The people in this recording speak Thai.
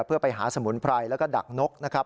เพื่อไปหาสมุนไพรแล้วก็ดักนกนะครับ